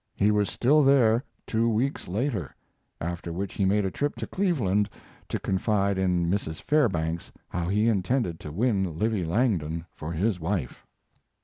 He was still there two weeks later, after which he made a trip to Cleveland to confide in Mrs. Fairbanks how he intended to win Livy Langdon for his wife.